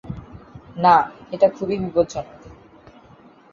না, এটা খুবই বিপজ্জনক।